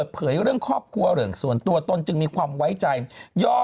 ดาวเลยหรอ